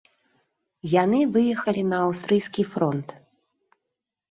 Яны выехалі на аўстрыйскі фронт.